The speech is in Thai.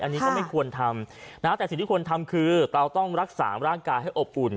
อันนี้ก็ไม่ควรทำนะแต่สิ่งที่ควรทำคือเราต้องรักษาร่างกายให้อบอุ่น